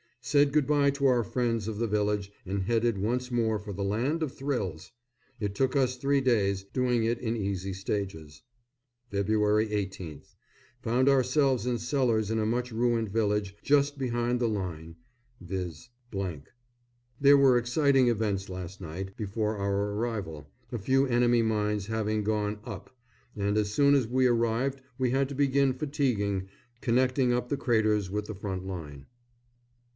_ Said good bye to our friends of the village and headed once more for the Land of Thrills. It took us three days, doing it in easy stages. Feb. 18th. Found ourselves in cellars in a much ruined village just behind the line, viz. . There were exciting events last night, before our arrival, a few enemy mines having gone "up," and as soon as we arrived we had to begin fatiguing, connecting up the craters with the front line.